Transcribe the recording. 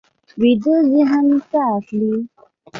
ویده ذهن ساه اخلي